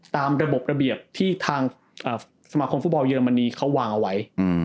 ตามระบบระเบียบที่ทางสมาคมฟุตบอลเยอรมนีเขาวางเอาไว้